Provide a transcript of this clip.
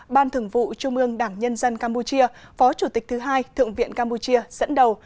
ban thường vụ trung ương đảng nhân dân campuchia phó chủ tịch thứ hai thượng viện campuchia dẫn đầu